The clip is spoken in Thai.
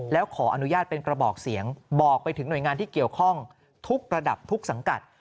แล้วขออนุญาตเป็นกระบอกเสียงบอกไปถึงหน่วยงานที่เกี่ยวข้องทุกระดับทุกสังกัด